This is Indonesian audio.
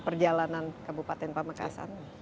perjalanan kabupaten pemekasan